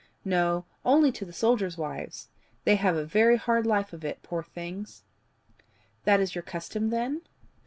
"No only to the soldiers' wives. They have a very hard life of it, poor things!" "That is your custom, then?"